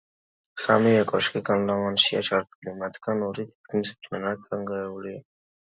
სამივე კოშკი გალავანშია ჩართული, მათგან ორი თითქმის მთლიანად დანგრეულია.